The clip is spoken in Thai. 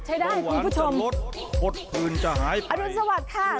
ใช้ได้คุณผู้ชมปลดพื้นจะหายไปสวัสดีค่ะ